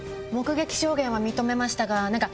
目撃証言は認めましたが。